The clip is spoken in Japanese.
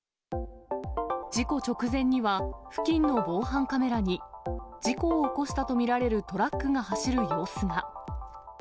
事故直前には、付近の防犯カメラに、事故を起こしたと見られるトラックが走る様子が。